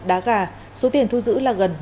đá gà số tiền thu giữ là gần